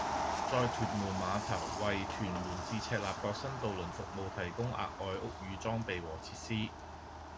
在屯門碼頭為屯門至赤鱲角新渡輪服務提供額外屋宇裝備和設施